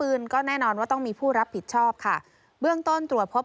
ส่วนรถที่นายสอนชัยขับอยู่ระหว่างการรอให้ตำรวจสอบ